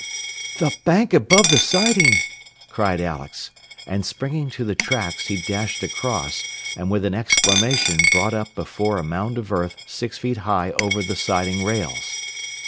"The bank above the siding!" cried Alex, and springing to the tracks, he dashed across, and with an exclamation brought up before a mound of earth six feet high over the siding rails.